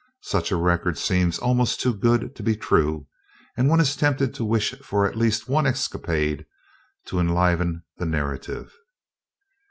Such a record seems almost too good to be true, and one is tempted to wish for at least one escapade to enliven the narrative!